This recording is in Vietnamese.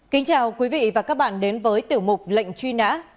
kính chào quý vị và các bạn đến với tiểu mục lệnh truy nã